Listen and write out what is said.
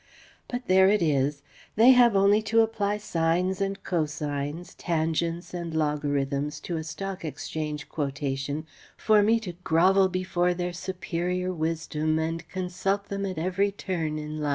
But there it is. They have only to apply sines and co sines, tangents and logarithms to a stock exchange quotation for me to grovel before their superior wisdom and consult them at every turn in life.